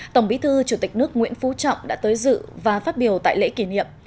tổng bí thư chủ tịch nước nguyễn phú trọng đã tới dự và phát biểu tại lễ kỷ niệm